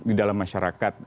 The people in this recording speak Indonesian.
di dalam masyarakat